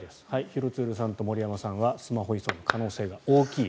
廣津留さんと森山さんはスマホ依存の可能性が大きい。